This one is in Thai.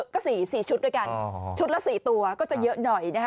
ก็๔ชุดด้วยกันชุดละ๔ตัวก็จะเยอะหน่อยนะคะ